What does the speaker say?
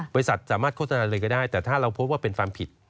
บริษัทสามารถโฆษณาเลยก็ได้แต่ถ้าเราพบว่าเป็นความผิด